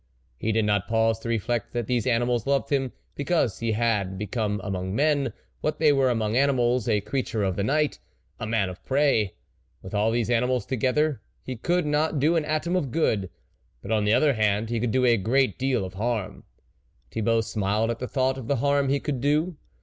He did not pause to reflect that these animals loved him, because he had be come among men, what they were among animals ; a creature of the night ! a man of prey ! With all these animals together, he could not do an atom of good ; but, on the other hand, he could do a great deal of harm. Thibault smiled at the thought of the harm he could do.